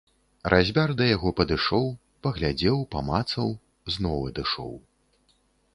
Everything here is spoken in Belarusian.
Разьбяр да яго падышоў, паглядзеў, памацаў, зноў адышоў.